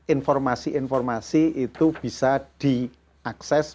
informasi informasi itu bisa diakses